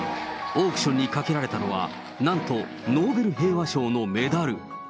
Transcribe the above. オークションにかけられたのは、なんとノーベル平和賞のメダル。